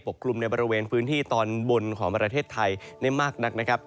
กลุ่มในบริเวณพื้นที่ตอนบนของประเทศไทยได้มากนักนะครับ